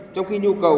trong khi nhu cầu